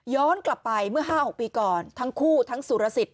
กลับไปเมื่อ๕๖ปีก่อนทั้งคู่ทั้งสุรสิทธิ